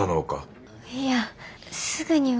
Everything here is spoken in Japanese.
いやすぐには。